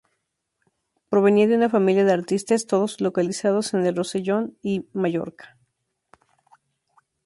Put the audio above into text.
Provenía de una familia de artistes todos localizados en el Rosellón y en Mallorca.